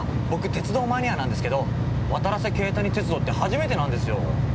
鉄道マニアなんですけどわたらせケイタニ鉄道って初めてなんですよ。